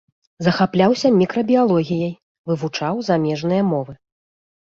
Захапляўся мікрабіялогіяй, вывучаў замежныя мовы.